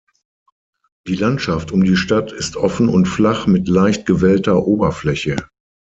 Die Landschaft um die Stadt ist offen und flach mit leicht gewellter Oberfläche.